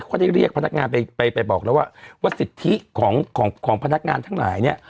เขาได้เรียกพนักงานไปไปบอกแล้วว่าสิทธิของของพนักงานทั้งหลายเนี่ย